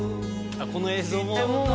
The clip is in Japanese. この映像も？